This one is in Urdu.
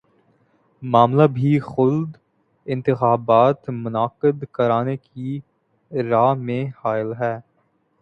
معاملہ بھی جلد انتخابات منعقد کرانے کی راہ میں حائل ہے